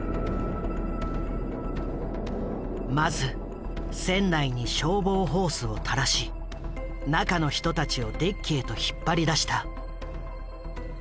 まず船内に消防ホースを垂らし中の人たちをデッキへと引っ張り出した。